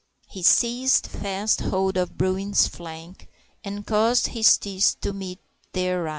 He seized fast hold of Bruin's flank, and caused his teeth to meet therein.